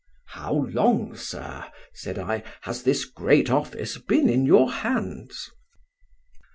"'How long, sir,' said I, 'has this great office been in your hands?